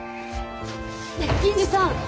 ねえ銀次さん！